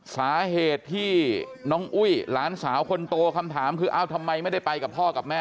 สาเหตุที่น้องอุ้ยหลานสาวคนโตคำถามคือเอ้าทำไมไม่ได้ไปกับพ่อกับแม่